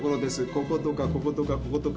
こことかこことかこことか。